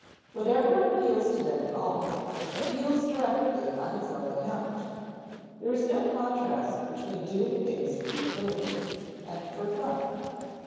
Whatever appeals to them at all, appeals directly on its own account. There is no contrast between doing things for utility and for fun.